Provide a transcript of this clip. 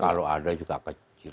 kalau ada juga kecil